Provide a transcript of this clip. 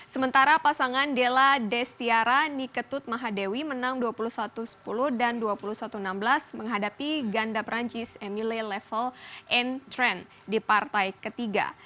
sementara pasangan della destiara niketut mahadewi menang dua puluh satu sepuluh dan dua puluh satu enam belas menghadapi ganda perancis emile level and tran di partai ketiga